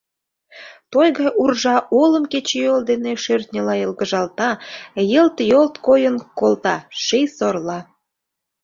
Той гай уржа олым кечыйол дене шӧртньыла йылгыжалта, йылт-йолт койын колта ший сорла.